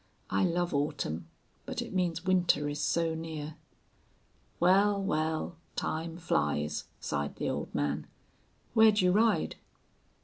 I love autumn, but it means winter is so near." "Wal, wal, time flies," sighed the old man. "Where'd you ride?"